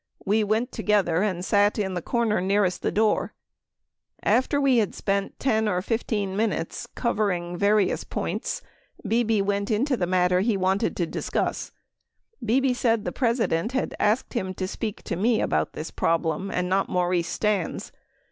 We went together and sat in the corner nearest the door. After we had spent 10 or 15 minutes covering [var ious] points, Bebe went into the matter he wanted to discuss. [Bebe] said the President had asked him to speak to me about this problem and not Maurice Stans.